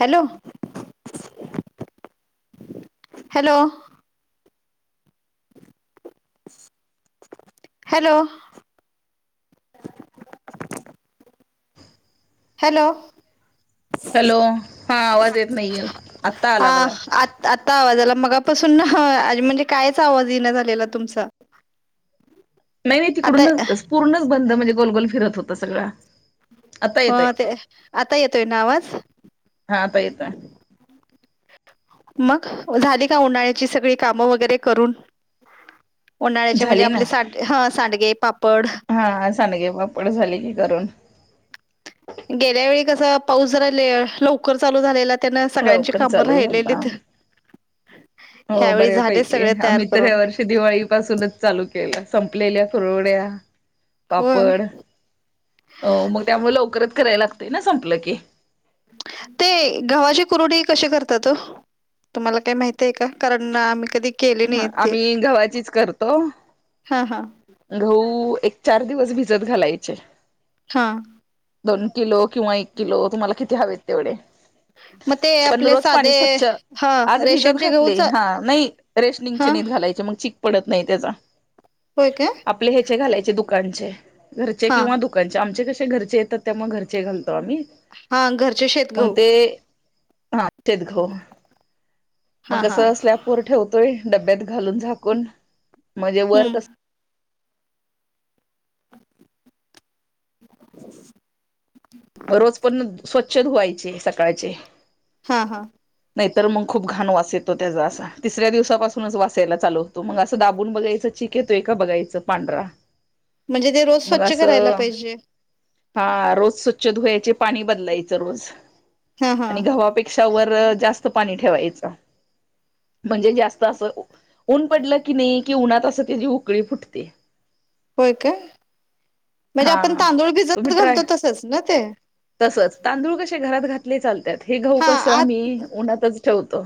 Hello. Hello. Hello. [inaudible] Hello. Hello, हा आवाज येत नाही ए, आत्ता हा आला बघा. आ आता आवाज आला मगापासून ना म्हणजे कायच आवाज येईना झालेला तुमचा. नाही नाही आता तिकडूनच क पूर्णच बंद म्हणजे गोलगोल फिरत होत सगळं. हा ते, आता येतोय ना आवाज? हा आता येतोय मग झाली का उन्हाळ्याची सगळी कामं वगैरे करून? उन्हाळ्याचे म्हणजे झाली ना आपले साड ह सांडगे पापड हा सांडगे, पापड झाले की करून. गेल्या वेळी कसं पाऊस जरा ले लवकर चालू झालेला त्यानं सगळ्यांची लवकर कामं चालू झालता राहिलेलीत. हो बऱ्यापैकी, आम्ही तर करून ह्या वर्षी दिवाळी पासूनच चालू के केलं, संपलेल्या कुरवड्या. हो पापड अ मग त्यामुळं लवकरच करायला लागतंय ना संपलं की. ते गव्हाची कुरुडी कशी करतात ओ? तुम्हाला काही माहित आहे का? कारण अ आम्ही कधी केली ह नाही ते आम्ही गव्हाचीच करतो. हा हा गहू एक चार दिवस भिजत घालायचे. हा. दोन किलो किंवा एक किलो तुम्हाला किती हवेत तेवढे. मग ते पण आपले रोज साधे पाणी स्वचछ, हा आज भिजत रेशनचे घातले, गहूच हा नाही रेशनिंगचे हा नाहीत घालायचे मग चिक पडत नाही त्याचं. होय काय? चे घालायचे दुकानचे, घरचे हा किंवा दुकानचे आमचे, कसे घरचे येतात त्यामुळे घरचे घाल तो आम्ही, हा घरचे शेत मग गहू ते हा तेत गहू, मग हा हा कसं स्लॅपर ठेवतोय. डब्यात घालून झाकून, म्हणजे वर हम्म कस म रोज पण स्वच्छ धुवायचे सकाळचे. हा हा. नाहीतर मग खूप घाण वास येतो, त्याचा असा तिसऱ्या दिवसा पासूनच वास यायला चालू होतो मग असं दाबून बघायचं. चिक येतोय का बघायचं पांढरा? म्हणजे ते रोज मग स्वच्छ अस करायला पाहिजे हा रोज स्वच्छ धुवायचे पाणी बदलायच रोज हा हा आणि गव्हापेक्षा वर जास्त पाणी ठेवायच म्हणजे, जास्त असं पडलं की नाही कि उनात असं त्याची उकळी फुटते. होय का? हा तुम्ही ट्राय तसंच ना ते तसच तांदूळ कसे घरात घात कुठले चालतात हे गहू हा कसं आत आम्ही उन्हातच ठेवतो.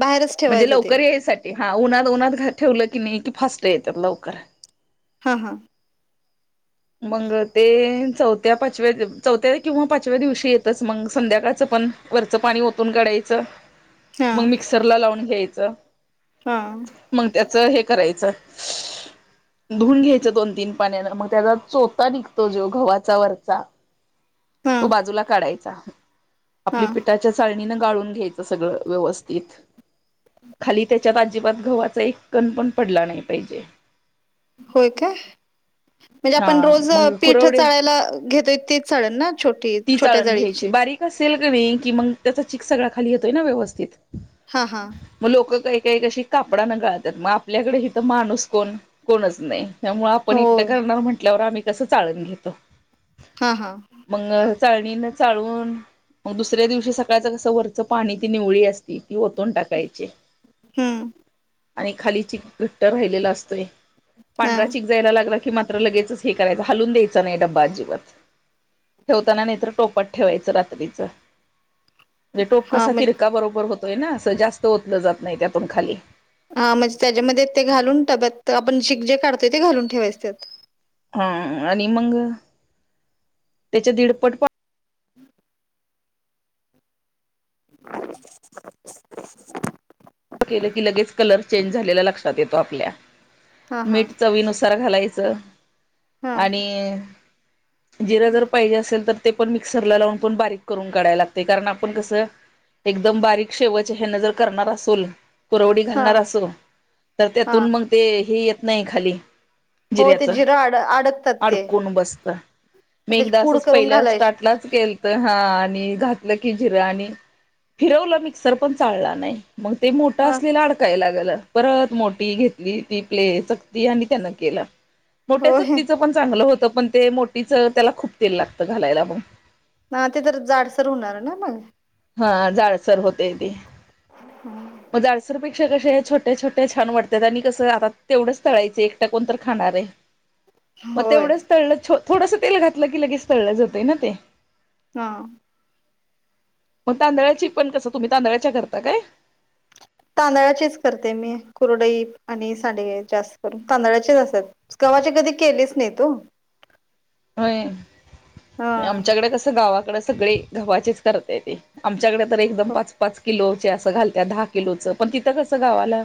बाहेरच म्हणजे ठेवायचं ते लवकर यायसाठी. हा उन्हात उन्हात घर ठेवलं की नाही की फास्ट येतात लवकर. हा हा. मग ते चौथ्या पाचव्या चौथ्या किंवा पाचव्या दिवशी येतच मग संध्याकाळचं पण वरचं पाणी ओतून काढायचं, हा मग मिक्सर ला लावून घ्यायचं. हा. मग त्याचं हे करायचं धुऊन घ्यायच दोन तीन पाण्यान मग त्याचा चोता निघतो, जो गव्हाचा वरचा हा तो बाजूला काढायचा. हा आपली पिठाच्या चाळणीनं गाळून घ्यायचं सगळं व्यवस्थित. खाली त्याच्यात अजिबात गव्हाचा एक कण पण पडला नाही पाहिजे. होय का? म्हणजे आपण हा रोज मग पीठ कुरवडे चाळायला घेतोय, तीच चाळण ना छोटी छोट्या जाळीची. ते केल किनई मग त्याचा चिक सगळा खाली येतोय ना, व्यवस्थित हा हा मग लोक काही कशी कापडा न गाळतात, मग आपल्याकडे हिथ माणूस कोण कोणच नाही. त्यामुळे आपण हो एकटं करणार म्हटल्यावर आम्ही कसं चाळून घेतो. हा हा. चाळणी चाळून मग दुसऱ्या दिवशी सकाळ सकाळचं कसं वरचं पाणी ती निवळी असती, ती ओतून टाकायची. हम. आणि खाली चिक घट्ट राहिलेला असतोय, हा पांढरा चिक जायला लागला की मात्र लगेचच हे करायचं हलून द्यायचं नाही, डब्बा अजिबात. ठेवताना नाहीतर टोपात ठेवायचं रात्रीच. म्हणजे टोप हा कसा म्हण तिरका बरोबर होतोय ना, असं जास्त ओतलं जात नाही त्यातून खाली. हा म्हणजे त्याच्यामध्ये ते घालून डब्यात आपण जे काढतोय ते घालून ठेवायच त्यात. हा आणि मग त्याच्या दीडपट पाणी हम. [unintelligible] केलं की लगेच कलर चेंज झालेला लक्षात येतो, आपल्या हा हा. मीठ चवीनुसार घालायचं. हा आणि जिर जर पाहिजे असेल तर ते पण मिक्सर लावून पण बारीक करून काढायला लागतयं, कारण आपण कसं एकदम बारीक शेवचे हे नजर करणार असणार. कुरवडी हा घालणार असो, तर हा त्यातून मग ते हे येत नाही खाली. हो ते जिऱ्याच जिरं अड अडकतात ते. अडकून बसतं. मग मी त्याची एकदा पूड असंच करून पहिल्या घालायची स्टार्टलाच केेलतं. हा आणि घातलं की जिरं आणि फिरवलं मिक्सर पण चालला नाही. मग ते मोठं हा असलेला अडकायला लागलं परत मोठी घेतली ती प्ले चगती आणि त्यान केलं. मोठ्या होय चकती पण चांगलं होतं, पण ते मोठीच त्याला खूप तेल लागतं घालायला मग. हा ते तर जाडसर होणार ना मग. हा जाडसर होतयं, तेे मग जाडसर पैकी खर हे छोटे छोटे छान वाटतात, आणि कसं आता तेवढंच तळायचे एकटा कोण तर खाणार आहे. मग होय तेवढंच तळलं थोडंस तेल घातलं, की लगेच तळलं जातय ना ते. हा. मग तांदळाची पण कस तुम्ही तांदळाच्या करता काय? तांदळाचेच करते मी कुरडई आणि सांडगे जास्त करून तांदळाचेच असतात गव्हाचे कधी केलेच नाहीत ओ. हा आमच्याकडे कस गावाकडे सगळे गव्हाचेचं करत्याती आम च्या कडं तर एकदम पाच -पाच किलो असं घालत्यात दहा किलोचं पण तिथं कसं गावाला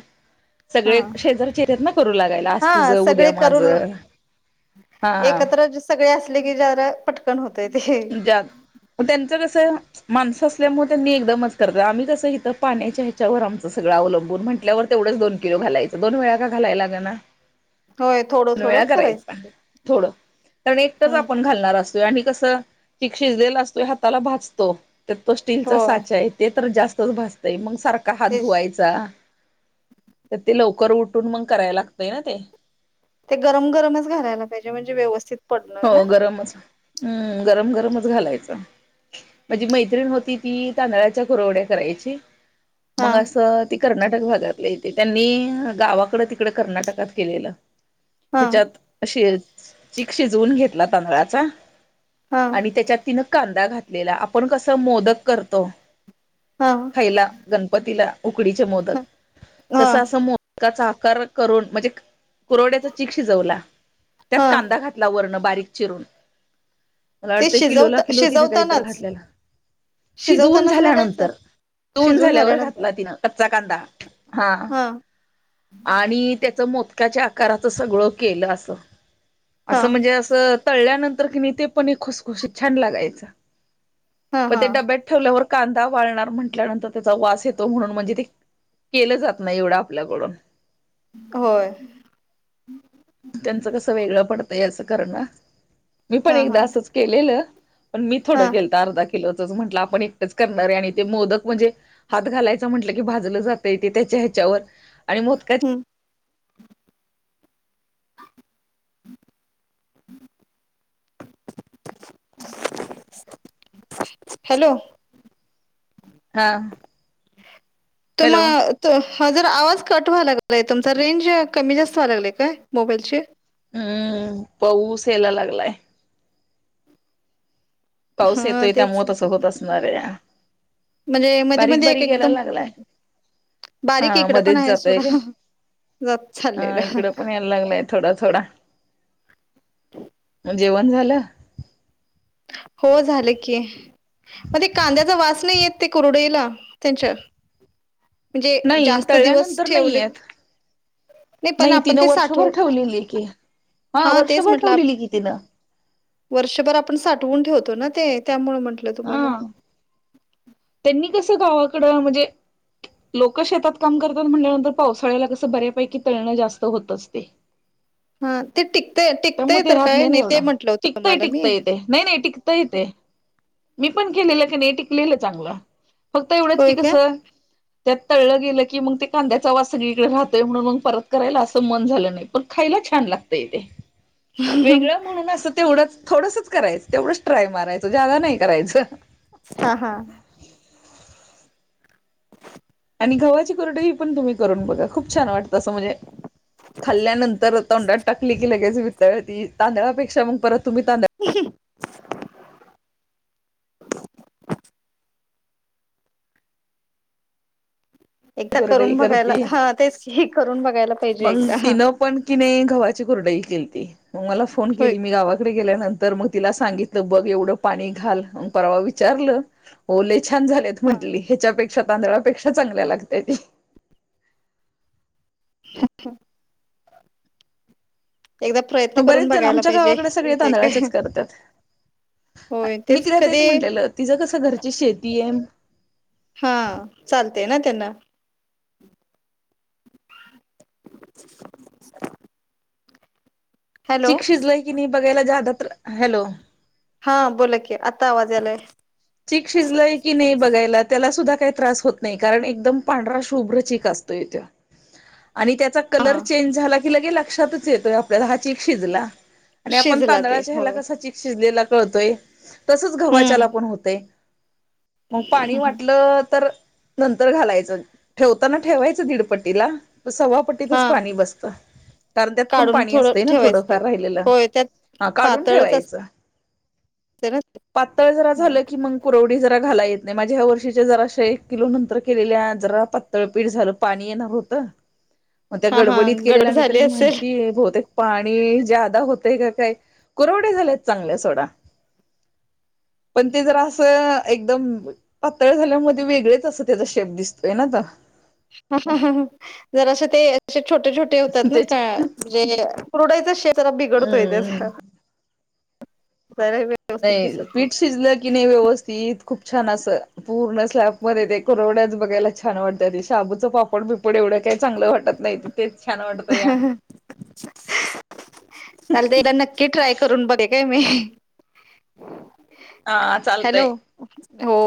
सगळे हा. शेजारचे येत्यात ना करू लागायला, आज तुझ हा उद्या सगळे करून माझं. हा एकत्र सगळे असले की ज्यादा पटकन होत. [unintelligible] त्यांच कस माणसं असल्यामुळे त्यांनी एकदमच करत आम्ही कसं इथं पाण्याच्या ह्याच्यावर आमच सगळं अवलंबून म्हटल्यावर तेवढं दोन किलो घालायचं, दोन वेळा का घालाय लागना. होय थोडं दोन थोडं वेळा करायचं करायचा ते थोडं कारण एकटच हम्म आपण घालणार असतो. आणि कसं चिक शिजलेला असतोय हाताला भाजतो. त्या तो स्टीलचा होय साचा आहे, ते तर जास्तच भाजतय मग सारखा हात तेच धुवायचा. तर ते लवकर उठून मग करायला लागतय ना ते. ते गरम गरमच घालायला पाहिजे, म्हणजे व्यवस्थित पडणार हो, ना गरमचं हम गरम गरमच घालायचं. म्हणजे मैत्रिण होती, ती तांदळाच्या कुरवड्या करायची हा मग अस कर्नाटक भागातले येतयं, त्यांनी गावाकड तिकड कर्नाटकात केलेलं. हा ह्याच्यात अशी चीक शिजवून घेतला तांदळाचा. हा आणि त्याच्यात तिनं कांदा घातलेला, आपण कसं मोदक करतो. हा खायला गणपतीला उकडीचे मोदक हा तस असं मोदकाचा करून म्हणजे कुरड्याचा चीक शिजवला त्यात हा कांदा घात वरन बारीक चिरून मला ते वाटतं किलोला शिजवता किलो तिन काही तर शिजवतानाच घातल्याला. शिजवून शिजवतानाच घालायचं झाल्यानंतर. शिजवून शिजून झाल्यावर झाल्यानंतर घातला तिनं कच्चा कांदा हा. आणि त्याच मोदक काच्या आकाराचं सगळं केल अस हा अस म्हणजे अस तळल्यानंतर नंतर कणी ते पण एक खुसखुशीत छान लागायचं हा पण हा ते डब्यात ठेवल्यावर कांदा वाळणार म्हंटल्यानंतर त्याचा वास येतो म्हणून, म्हणजे ते केलं जात नाही एवढं आपल्याकडून. होय त्यांचं कस वेगळं पडत तय अस करणं मी पण हा हा एकदा असंच केलेल पण मी थोडं हा केलत अर्धा किलो केल होत असं म्हंटलं, आपण एकटच करणार आहे आणि ते मोदक म्हणजे हात घालायचा म्हंटलं की भाजलं जातंय ते त्याच्या ह्याच्यावर आणि मोदकाच्या हम्म [unintelligible] [unintelligible] हॅलो! हा. तुमा हॅलो तू हा जर आवाज कट व्हाय लागलाय, तुमचा रेंज कमी जास्त व्हाय लागले काय मोबाईलची? हम पाऊस यायला लागलाय. पाऊस हा येतोय, तेच त्यामुळे तसं होत असणार ये. म्हणजे मध्ये बारीक मध्ये एक बारीक याला एकदम लागलाय. बारीक हा इकडं पण मध्येच आहे जातोय काय? सोडा जात हा चाललेलं इकड पण यायला लागलाय थोडा थोडा जेवण झालं. हो झालं की मग ते कांद्याचा वास नाही येत, ते कुरडईला त्यांच्या म्हणजे नाही जास्त दिवस तळल्यानंतर नाही ठेवले येत नाही पण नाही आपण तिनं ते वर्षभर साठव, ठेवलेली की हा तेच वर्षभर म्हटलं, आप ठेवलेली की तिनं वर्षभर आपण साठवून ठेवतो ना ते, त्यामुळ म्हंटलं हा तुम्हाला. त्यांनी कसं गावाकडं म्हजे लोक शेतात काम करतात म्हटल्यानंतर, पावसाळ्याला कसं बऱ्यापैकी तळणं जास्त होत असते. हा ते टिक त्यामुळे ते ऱ्हात नाही ना एवढा, टिकतय तुम्हाला मी टिकतय ते, नाही नाही टिकतय ते. मी पण केलेलं की नाही टिकलेलं चांगलं, फक्त एवढंच की होय का कस? त्यात तळलं गेलं की, मग ते कांद्याचा आवाज सगळीकडे राहतोय म्हणून मग परत करायला असं मन झालं नाही, पण खायला छान लागतय ते, वेगळं म्हणून अस तेवढंच. थोडसच करायचं, तेवढंच ट्राय मारायचं, ज्यादा नाही करायचं. हा हा. आणि गव्हाची कुरडई पण तुम्ही करून बघा. खूप छान वाटत. तस म्हणजे खाल्ल्यानंतर तोंडात टाकली की, लगेच विर घळती तांदळापेक्षा, मग परत तुम्ही तांदळा एकदा कुरडई करून बघायला करती, हा तेच हे करून बघायला पाहिजे मग एकदा हा तिनं पण कि नाही गव्हाची कुरडई केलती म मला फोन होय केली, मी गावाकडे गेल्यानंतर तर मग तिला सांगितलं, बघ एवढं पाणी घाल म परवा विचारलं हो लई छान! झालेत हा म्हंटली ह्याच्यापेक्षा तांदळापेक्षा चांगल्या लागल्या. [unintelligible] अच्छा! बरेच जण आमच्या गावाकडे सगळे येते काय तांदळाचेच करत्यात. होय मी तिला तेच कधी म्हंटलेलं तिचं कसं घरची शेती आहे. हा चालतय ना त्यांना. [unintelligible] हॅलो चिक शिजलाय की नाही, बघायला ज्यादा तर हॅलो! हा बोला की, आता आवाज यालाय. चीक शिजलाय की नाही बघायला त्याला सुद्धा काही त्रास होत नाही, कारण एकदम पांढरा शुभ्र चीक असतो. तोय तो. [inaudible] आणि त्याचा हा कलर चेंज झाला की, लगे लक्षातच येतोय आपल्याला हा चीक शिजला. आणि आपण शिजला तांदळा ते हो ह्याला कसा चीक शिजलेला कळतोय, तसच हम्म गव्हाच्याला पण होतो. मग पाणी वाटलं तर नंतर घालायचं ठेवताना ठेवायचं दीडपट्टीला सव्वा हा पट्टीतच पाणी बसतं. कारण त्यात पण काढून पाणी थोडं असतंय ना, ठेवायचं ते थोडंफार राहिलेलं होय त्यात हा काढून पातळच ठेवायचं. असते ना ते. पातळ जरा झालं की मग कुरवडी जरा घाला येत नाही, माझ्या ह्या वर्षीच्या जराशे एक किलो नंतर केलेल्या जरा पातळ पीठ झालं. पाणी येणार होत, मग त्या हा हा गडबडीत गडबड केलेल्या मी झाली तरी असेल म्हणतीये बहूतेक पाणी ज्यादा होतय का काय? कुरवडे झालेत चांगल्या सोडा. पण ते जरा असं एकदम पातळ झाल्या म वेगळेच असं त्याचा शेप दिसतोय ना त जर असं ते असे छोटे छोटे होतात ना, का त्याच्या म्हणजे कुरडाईचा शेप जरा बिघडतोय त्याचा. हम्म जरा व्यवस्थित नाही दिसत पीठ शिजलं की, नाही व्यवस्थित खूप छान अस पूर्ण स्लॅब मध्ये ते कुरवड्याच बघायला छान! वाटतयं, ते शाबूचं पापड बी पापड एवढं काही चांगलं वाटत नाही, तेच छान वाटतया. चालतय एकदा नक्की ट्राय करून बघेन काय मी. हा चालतयं. हॅलो हो.